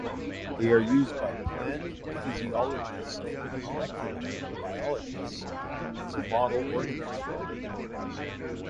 They are used by plant physiologists and molecular biologists as a model organism.